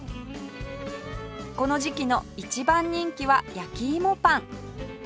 この時期の一番人気は焼き芋パン